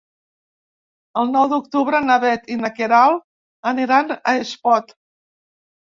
El nou d'octubre na Bet i na Queralt aniran a Espot.